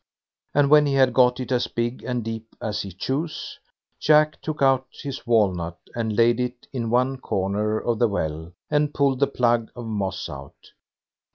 And when he had got it as big and deep as he chose, Jack took out his walnut and laid it in one corner of the well, and pulled the plug of moss out.